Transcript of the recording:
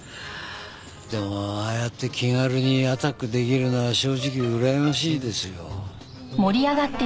でもああやって気軽にアタック出来るのは正直うらやましいですよ。